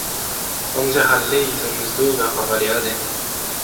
Amzer a-leizh hon eus d'ober ur valeadenn.